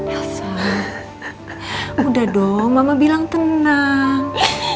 udah dong mama bilang tenang